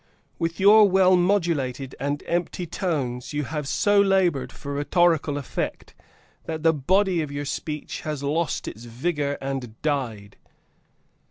With your well modulated and empty tones you have so labored for rhetorical effect that the body of your speech has lost its vigor and died.